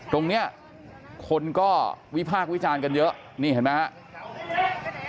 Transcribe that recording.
ตรงนี้คนก็วิพากษ์วิจารณ์กันเยอะนี่เห็นไหมครับ